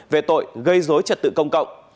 về tội gây dối trật tự công cộng